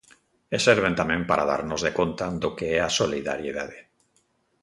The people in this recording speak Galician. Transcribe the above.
E serven tamén para darnos de conta do que é a solidariedade.